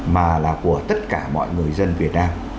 mà là của tất cả mọi người dân việt nam